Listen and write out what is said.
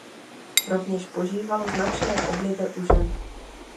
Rovněž požíval značné obliby u žen.